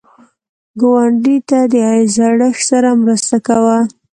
ګاونډي ته د زړښت سره مرسته کوه